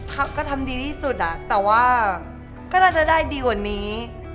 ก็ทำดีที่สุดอะแต่ว่าก็น่าจะได้ดีกว่านี้